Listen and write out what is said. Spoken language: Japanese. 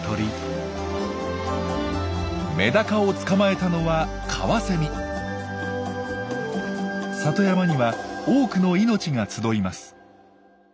メダカを捕まえたのは里山には多くの命が集います。